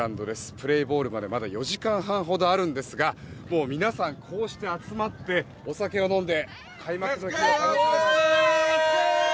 プレーボールまでまだ４時間半ほどあるんですがもう皆さん、こうして集まってお酒を飲んで。